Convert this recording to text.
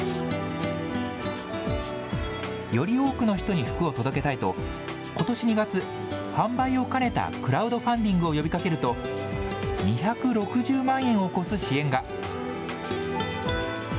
より多くの人に服を届けたいと、ことし２月、販売を兼ねたクラウドファンディングを呼びかけると、２６０万円を超す支援が。